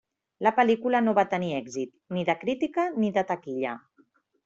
La pel·lícula no va tenir èxit ni de crítica ni de taquilla.